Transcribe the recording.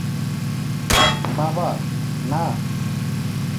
বাবা, না।